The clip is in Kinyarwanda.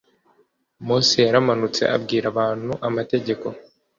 mose yaramanutse abwira abantu amategeko